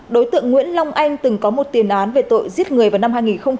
đối tượng nguyễn long anh từng có một tiền án về tội giết người vào năm hai nghìn một mươi